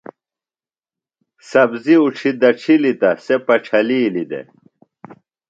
سبزیۡ اُڇھیۡ دڇھلیۡ تہ سےۡ پڇھلِیلیۡ دےۡ۔